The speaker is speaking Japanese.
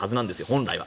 本来は。